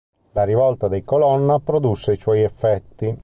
La rivolta dei Colonna produsse i suoi effetti.